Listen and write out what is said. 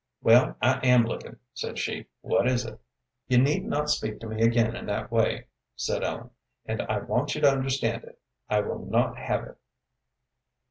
"Well, I am lookin'," said she, "what is it?" "You need not speak to me again in that way," said Ellen, "and I want you to understand it. I will not have it."